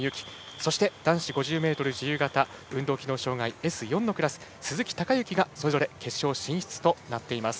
そして、男子５０ｍ自由形運動機能障がいＳ４のクラス鈴木孝幸がそれぞれ決勝進出です。